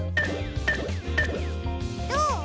どう？